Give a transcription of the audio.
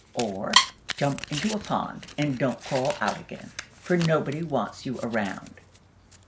Or, jump into a pond, and don't crawl out again!! For nobody wants you around!"